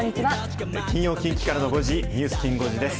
金曜近畿からの５時、ニュースきん５時です。